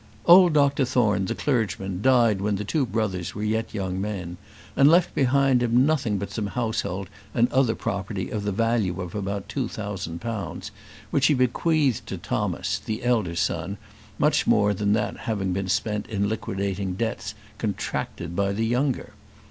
Old Dr Thorne, the clergyman, died when the two brothers were yet young men, and left behind him nothing but some household and other property of the value of about two thousand pounds, which he bequeathed to Thomas, the elder son, much more than that having been spent in liquidating debts contracted by the younger.